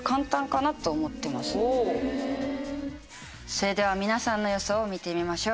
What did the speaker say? それでは皆さんの予想を見てみましょう。